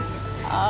ya udah tuh yuk